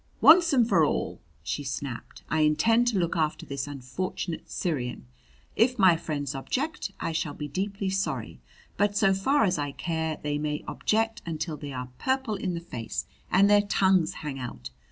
"Once for all," she snapped, "I intend to look after this unfortunate Syrian! If my friends object, I shall be deeply sorry; but, so far as I care, they may object until they are purple in the face and their tongues hang out.